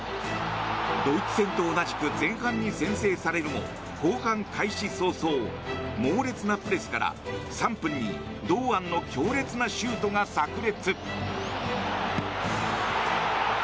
ドイツ戦と同じく前半に先制されるも後半開始早々、猛烈なプレスから３分に堂安の強烈なシュートがさく裂。